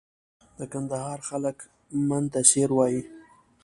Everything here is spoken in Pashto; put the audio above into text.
د کندهار خلک من ته سېر وایي.